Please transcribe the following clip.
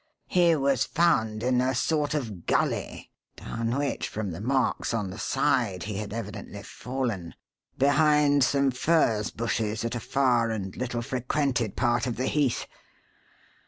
He was found in a sort of gulley (down which, from the marks on the side, he had evidently fallen), behind some furze bushes at a far and little frequented part of the heath.